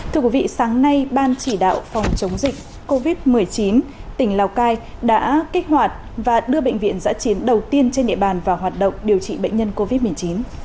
thưa quý vị sáng nay ban chỉ đạo phòng chống dịch covid một mươi chín tỉnh lào cai đã kích hoạt và đưa bệnh viện giã chiến đầu tiên trên địa bàn vào hoạt động điều trị bệnh nhân covid một mươi chín